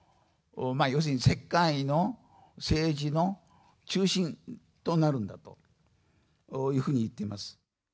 ここが天一国の中央庁、要するに世界の政治の中心となるんだというふうに言っています。